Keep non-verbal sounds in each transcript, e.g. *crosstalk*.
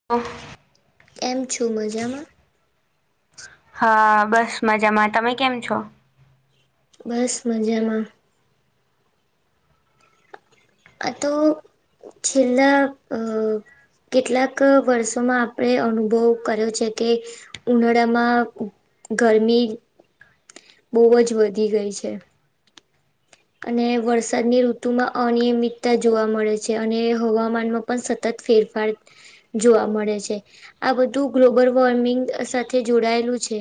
*inaudible* કેમ છો? મજા માં. હા, બસ મજામાં. તમે કેમ છો? બસ મજામાં. આ તો છેલ્લા અ કેટલાક વર્ષોમાં આપણે અનુભવ કર્યો છે કે ઉનાળામાં ગરમી બહુ જ વધી ગઈ છે. અને વરસાદની ઋતુમાં અનિયમિતતા જોવા મળે છે અને હવામાન નુ પણ સતત ફેરફાર જોવા મળે છે આ બધું ગ્લોબલ વોર્મિંગ સાથે જોડાયેલું છે.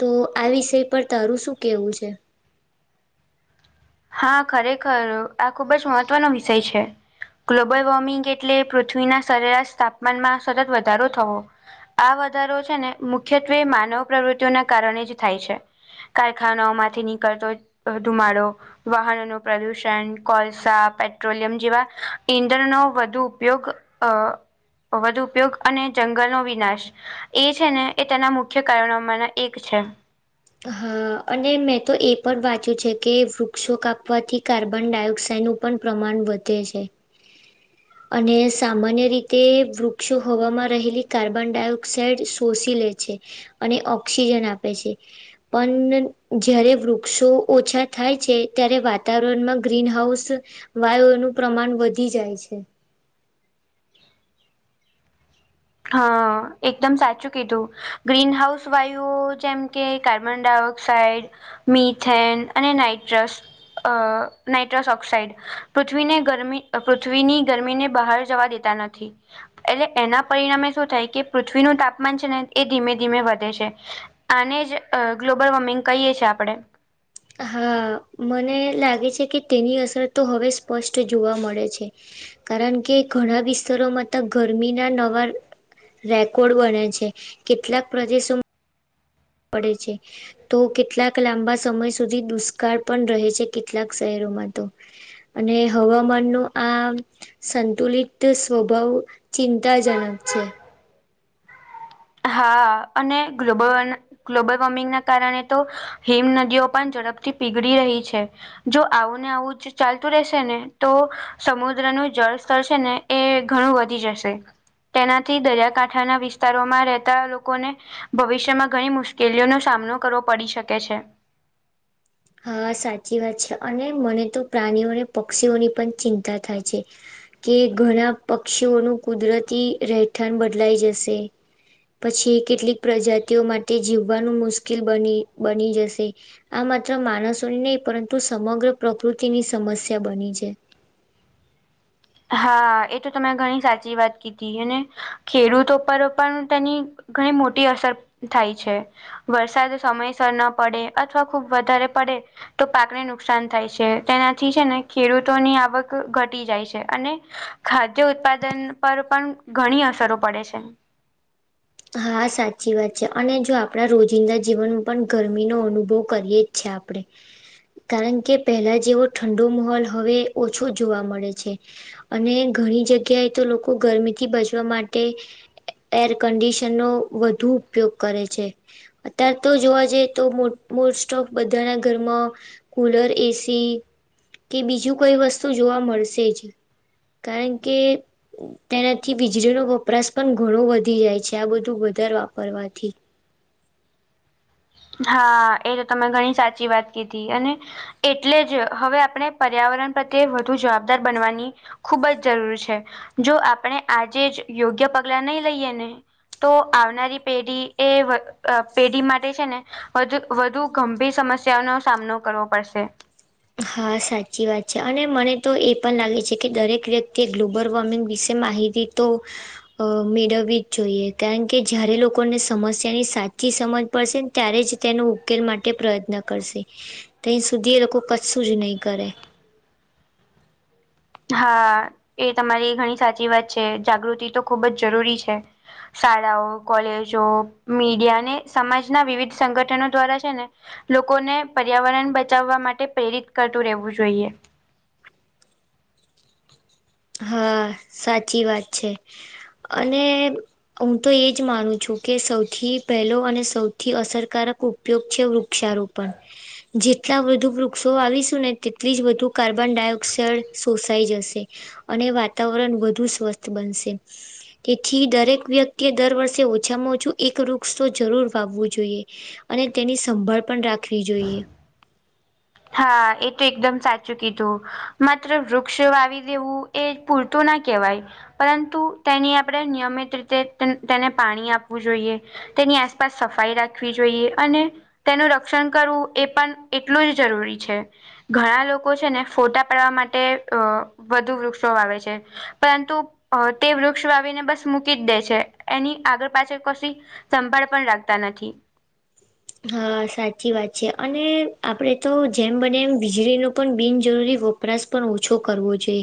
તો આ વિષય પર શું કહેવું છે. હા, ખરેખર આ ખુબ જ મહત્વનો વિષય છે. ગ્લોબલ વોર્મિંગ એટલે પૃથ્વીના સરેરાશ તાપમાનમાં સતત વધારો થવો. આ વધારો છે ને મુખ્યત્વે માનવ પ્રવૃત્તિઓના કારણે જ થાય છે. કારખાનાઓ માંથી નીકળતો અ ધુમાડો વાહનો નુ પ્રદુષણ, કોલસા, પેટ્રોલિયમ જેવા ઈંધણનો વધુ ઉપયોગ અ વધુ ઉપયોગ અને જંગલનો વિનાશ એ છે ને એ તેના મુખ્ય કારણોમાંના એક છે. હા અને મેં તો એ પણ વાંચ્યું છે કે વૃક્ષો કાપવાથી કાર્બન ડાયોક્સાઇડનું પણ પ્રમાણ વધે છે. અને સામાન્ય રીતે વૃક્ષો હવામાં રહેલી કાર્બન ડાયોક્સાઇડ શોષી લે છે. અને ઓક્સિજન આપે છે. પણ જ્યારે વૃક્ષો ઓછા થાય છે ત્યારે વાતાવરણમાં ગ્રીનહાઉસ વાયુઓનું પ્રમાણ વધી જાય છે. હ એકદમ સાચું કીધું ગ્રીન હાઉસ વાયુઓ જેમ કે કાર્બન ડાયોક્સાઇડ મિથેન અને નાઇટ્રસ અ નાઇટ્રસ ઓક્સઇડ પૃથ્વીને ગરમી પૃથ્વીની ગરમીને બહાર જવા દેતા નથી એટલે એના પરિણામે શું થાય કે પૃથ્વીનું તાપમાન છે ને એ ધીમે ધીમે વધે છે. આને જ અ ગ્લોબલ વોર્મિંગ કહીએ છે આપણે. હા મને લાગે છે કે તેની અસર તો હવે સ્પષ્ટ જોવા મળે છે. કારણ કે ઘણા વિસ્તારોમાં તો ગરમીના નવા રેકોર્ડ બને છે કેટલાક પ્રદેશોમાં પડે છે. તો કેટલાક લાંબા સમય સુધી દુષ્કાળ પણ રહે છે કેટલાક શહેરોમાં તો અને હવામાન નું આ સંતુલિત સ્વભાવ ચિંતાજનક છે. હા અને ગ્લોબલ ગ્લોબલ વોર્મિંગના કારણે તો હિમ નદીઓ પણ ઝડપથી પીગડી રહી છે. જો આવું ને આવું જ ચાલતું રહેશે ને તો સમુદ્રનું જળ સ્તર છે ને એ ઘણું વધી જશે તેનાથી દરિયાકાંઠાના વિસ્તારોમાં- રેતા લોકોને ભવિષ્યમાં ઘણી મુશ્કેલીઓનો સામનો કરવો પડી શકે છે. હા સાચી વાત છે અને મને તો પ્રાણીઓ અને પક્ષીઓની પણ ચિંતા થાય છે. કે ઘણા પક્ષીઓનું કુદરતી રહેઠાણ બદલાઈ જશે. પછી કેટલીક પ્રજાતિઓ માટે જીવવાનું મુશ્કિલ બની બની જશે. આ માત્ર માણસોની ની પરંતુ સમગ્ર પ્રકૃતિની સમસ્યા બની છે. હા એ તો તમે ઘણી સાચી વાત કીધી અને ખેડૂતો પર પણ તેની ઘણી મોટી અસર થાય છે. વરસાદ સમયસર ન પડે અથવા ખુબ વધારે પડે તો પાકને નુકસાન થાય છે તેનાથી છે ને ખેડૂતોની આવક ઘટી જાય છે. અને ખાદ્ય ઉત્પાદન પર પણ ઘણી અસરો પડે છે. હા સાચી વાત છે અને જો આપણા રોજિંદા જીવનમાં પણ ગરમીનો અનુભવ કરીએ છે આપડે કારણ કે પહેલા જેવો ઠંડો માહોલ હવે ઓછો જોવા મળે છે. અને ઘણી જગ્યાએ તો લોકો ગરમીથી બચવા માટે એર કન્ડિશન *unintelligible* ર નો વધુ ઉપયોગ કરે છે. અતાર તો જોવા જઈ તો મોસ્ટ ઓફ બધાના ઘરમાં કુલર એસી કે બીજું કઈ વસ્તુ જોવા મળશે જ. કારણ કે તેનાથી વીજળીનો વપરાશ પણ ઘણો વધી જાય છે. ત્યાં બધું વધારે વાપરવાથી હા એ તો તમે ઘણી સાચી વાત કીધી અને એટલે જ હવે આપણે પર્યાવરણ પ્રત્યે વધુ જવાબદાર બનવાની ખુબ જ જરૂર છે જો આપણે આજે જ યોગ્ય પગલા નહી લઈએ ને તો આવનારી પેઢી એ પેઢી માટે છે ને વધુ વધુ ગંભીર સમસ્યાઓનો સામનો કરવો પડશે. હા સાચી વાત છે અને મને તો એ પણ લાગે છે કે દરેક વ્યક્તિએ ગ્લોબલ વોર્મિંગ વિશે માહિતી તો અ મેળવવી જ જોઈએ કારણ કે જયારે લોકોને સમસ્યાની સાચી સમજ પડશે ન ત્યારે જ તેનો ઉકેલ માટે પ્રયત્ન કરશે તહીં સુધી એ લોકો કશું જ નહીં કરે હા એ તમારી ઘણી સાચી વાત છે જાગૃતિ તો ખૂબ જ જરૂરી છે શાળાઓ કોલેજો મીડિયા અને સમાજના વિવિધ સંગઠનો દ્વારા છે ને લોકોને પર્યાવરણ બચાવવા માટે પ્રેરિત કરતું રહેવું જોઈએ હા સાચી વાત છે અને હું તો એ જ માનું છું કે સૌથી પહેલો અને સૌથી અસરકારક ઉપ ઉપયોગ છે વૃક્ષારોપણ જે જેટલા વધું વૃક્ષો આવીશું ને તેટલી જ વધુ કાર્બન ડાયોક્સાઈડ શોષાઈ જશે અને વાતાવરણ વધુ સ્વસ્થ બનશે તેથી દરેક વ્યક્તિએ દર વર્ષે ઓછામાં ઓછું એક વૃક્ષ તો જરૂર વાવવું જોઈએ અને તેની સંભાળ પણ રાખવી જોઈએ. હા એ તો એકદમ સાચું કીધું માત્ર વૃક્ષ વાવી દેવું એ પૂરતું ના કેવાય પરંતુ તેની આપણે નિયમિત રીતે તે તેને પાણી આપવું જોઈએ. તેની આસપાસ સફાઈ રાખવી જોઈએ અને તેનું રક્ષણ કરવું એ પણ જ એટલું જરૂરી છે. ઘણા લોકો છે, ને ફોટા પાડવા માટે અ વધુ વૃક્ષો વાવે છે. પરંતુ અ તે વૃક્ષ વાવીને બસ મૂકી જ દે છે, એની આગળ પાછળ કસી સંભાળ પણ રાખતા નથી. હા સાચી વાત છે, અને આપણેે તો જેમ બને એમ વીજળીનું પણ બિનજરૂરી વ પરાશ પણ ઓછો કરવો જોએ.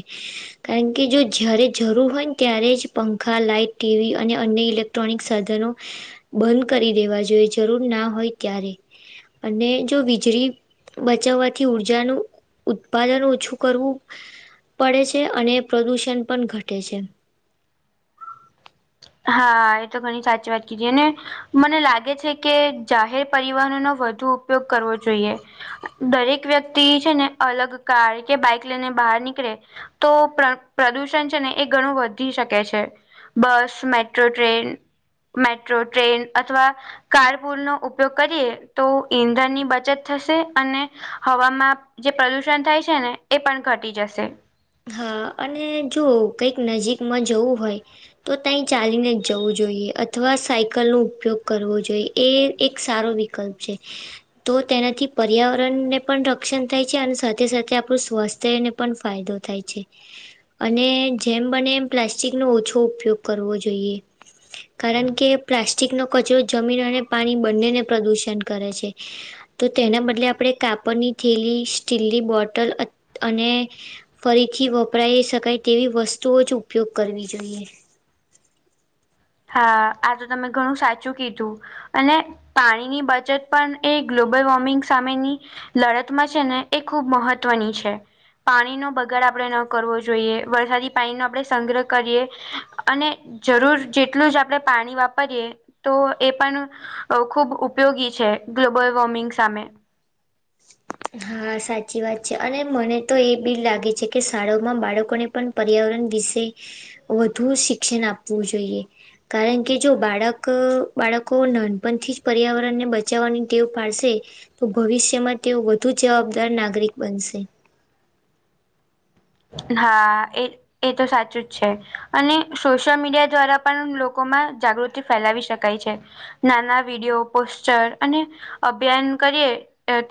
કારણ કે જો જયારે જરૂર હોય ને ત્યારે જ પંખા, લાાઈટ, ટીવી અને અન્ય ઇલે ટ્રોનિક સાધનો બંધ કરી દેવા જોઈએ જરૂર ના હોય ત્યારે અને જો વીજળી બચાવવાથી ઉર્જાનું ઉત્પાદન ઓછું કરવું પડે છે, અને પ્રદૂષણ પણ ઘટે છે. હા એ તો ઘણી સાચી વાત કીધી અને મને લાગે છે, કે જાહેર પરિવહનો વધુ ઉપયોગ કરવો જોઈએ. દરેક વ્યક્તિ છે, ને અલગ કાર કે બાઈક લઈને બહાર નીકળે તો પ્ર પ્રદુષણ છે, ને એ ઘણું વધી શકે છે, bus metro train metro train અથવા કાર પુલનો ઉપયોગ કરીએ તો ઈંધણની બચત થશે અને હવામાં જે પ્રદુષણ થાય છે, ને એ પણ ઘટી જશે હા અને જો કઈક નજીકમાં જવું હોય. તો તઈ ચાલીને જ જવું જોઈએ અથવા સાયકલનો ઉપયોગ કરવો જો એ એક સારો વિકલ્પ છે. તો તેનાથી પર્યાવરણને પણ રક્ષણ થાય છે, અન સાથે સાથે આપણું સ્વાસ્થ્યને પણ ફાયદો થાય છે, અને જેમ બને એમ પ્લાસ્ટિકનો ઓછો ઉપયોગ કરવો જોઈએ. કારણ કે પ્લાસ્ટિકનો કચરો જમીન અને પાણી બંનેને પ્રદુષણ કરે છે. તો તેના બદલે આપણે કાપડની થેલી, સ્ટીલની બોટલ અ અને ફરીથી વપરાય શકાય તેવી વસ્તુઓ જ ઉપયોગ કરવી જોઈએ. હા આ તો તમે ઘણું સાચું કીધું અને પાણીની બચત પણ એ ગ્લોબલ વોર્મિંગ સામેની લડતમાં છે, ને એ ખૂબ મહત્વની છે. પાણીનો બગાડ આપણે ન કરવો જોઈએ વરસાદી પાણીનો આપણે સંગ્રહ કરીએ અને જરૂર જેટલું જ આપણે પાણી વાપરીએ તો એ પણ અ ખુબ ઉપયોગી છે, ગ્લોબલ વોર્મિંગ સામે હા સાચી વાત છે. અને મને તો એ બી લાગે છે, કે શાળાઓમાં બાળકોને પન પર્યાવરણ વિશે વધુ શિક્ષણ આપવું જોઈએ. કારણ કે જો બાળક બાળકો નાનપણથી જ પર્યાવરણને બચાવવાની ટેવ પાડશે તો ભવિષ્યમાં તેઓ વધુ જવાબદાર નાગરિક બનશે. હા એ એ તો સાચું જ છે, અને સોશિયલ મીડિયા દ્વારા પણ લોકોમા જાગૃ તી ફેલાવી શકાય છે, નાના વિડીયો, પોસ્ટર અને અભિયાન કરીએ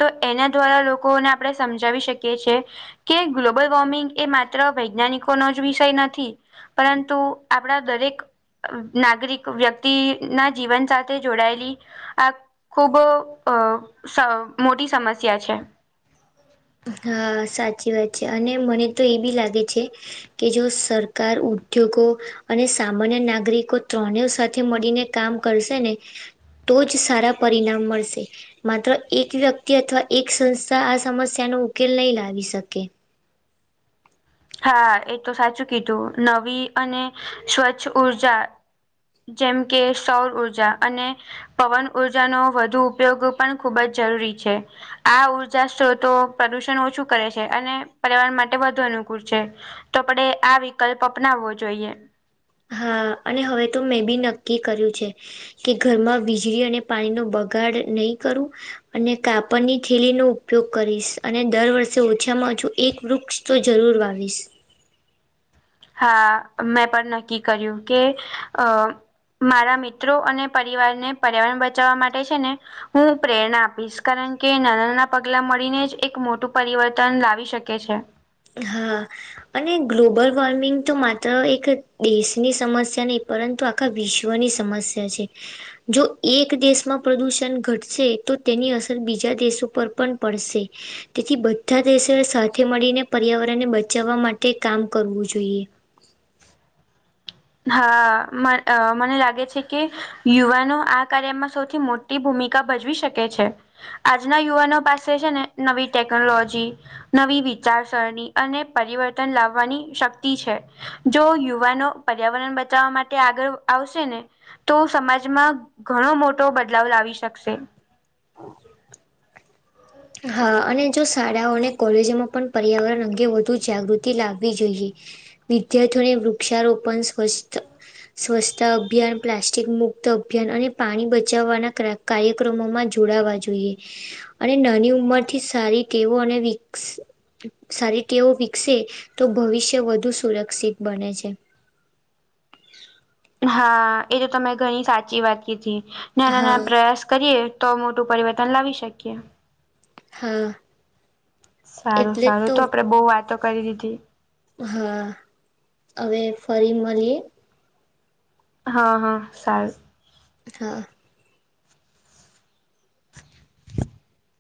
તો એના દ્વારા લોકોને આપણે સમજાવી શકીએ છે. કે ગ્લોબલ વોર્મિંગ એ માત્ર વૈજ્ઞાનિકોનો જ વિષય નથી પરંતુ આપણા દરેક નાગરિક વ્યક્તિના જીવન સાથે જોડાયેલી આ ખૂબ અ સ મોટી સમસ્યા છે. હા સાચી વાત છે અને મને તો એ બી લાગે છે કે જો સરકાર ઉદ્યોગો અને સામાન્ય નાગરિકો ત્રણેય સાથે મળીને કામ કરશે ને તો જ સારા પરિણામ મળશે. માત્ર એક વ્યક્તિ અથવા એક સંસ્થા આ સમસ્યાનો ઉકેલ નહીં લાવી શકે. હા એ તો સાચું કીધું નવી અને સ્વચ્છ ઉર્જા જેમ કે સૌર ઉર્જા અને પવન ઉર્જાનો વધુ ઉપયોગ પણ ખૂબ જ જરૂરી છે. આ ઉર્જા સ્ત્રોતો પ્રદુષણ ઓછું કરે છે અને પર્યાવરણ માટે વધુ અનુ છે. તો આપડે આ વિકલ્પ અપનાવવો જોઈએ. હા અને હવે તો મેં બી કર્યું છે કે ઘરમાં વીજળી અને પાણીનો બગાડ નહી કરું અને કાપડની થેલી નો ઉપયોગ કરીશ અને દર વર્ષે ઓછામાં ઓછું એક વૃક્ષ તો જરૂર વાવીશ. હા મે પણ કર્યું કે અ મારા મિત્રો અને પરિવારને પર્યાવરણ બચાવવા માટે છે ને હું પ્રેરણા આપીશ કારણ કે નાના નાના પગલા મળીને જ એક મોટું પરિવર્તન લાવી શકે છે. હા અને ગ્લોબલ વોર્મિંગ તો માત્ર એક દેશની સમસ્યા નહી પરંતુ આ આખા વિશ્વની સમસ્યા છે. જો એક દેશમાં પ્રદુષણ ઘટશે તો તેની અસર બીજા દેશો ઉપર પણ પડશે. તેથી બધા દેશોએ સાથે મળીને પર્યાવરણને બચાવવા માટે કામ કરવું જોઈએ. હા મને લાગે છે કે યુવાનો આ કાર્યમાં સૌથી મોટી ભૂમિકા ભજવી શકે છે. આજના યુવાનો પાસે છે ને નવી ટેકનોલોજી નવી વિચારસરણી અને પરિવર્તન લાવવાની શક્તિ છે. જો યુવાનો પર્યાવરણ બચાવવા માટે આગળ આવશે ને તો સમાજમાં ઘણો મોટો બદલાવ લાવી શકશે. હા અને જો શાળાઓ અને કોલેજોમાં પણ પર્યાવરણ અંગે વધુ જાગૃતિ લાવવી જોઈએ. વિદ્યારથીઓને વૃક્ષારોપણ સ્વસ્થ સ્વચ્છતા અભિયાન, પ્લાસ્ટિક મુક્ત અભિયાન, અને પાણી બચાવવાના ક્રા કાર્યક્રમોમાં જોડાવા જોઈએ અને નાની ઉમરથી સારી ટેવો અને વિક સારી ટેવો વિકસે તો ભવિષ્ય વધુ સુરક્ષિત બને છે. હા એ તો તમે ઘણી સાચી વાત કીધી નાના નાના હા પ્રયાસ કરીએ તો મોટું પરિવર્તન લાવી શકીએ. હા. સારું એટલે જ સારું તો આપડે બહુ વાતો કરી દીધી. હા, અવે ફરી મળીએ. હા હા સારું હા. *inaudible*